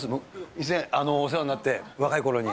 以前お世話になって、若いころに。